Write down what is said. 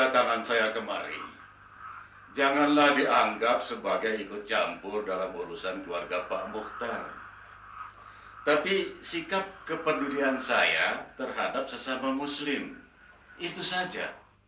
tapi sikap kependudukan saya terhadap sesama muslim itu saja